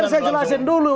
tidak saya jelasin dulu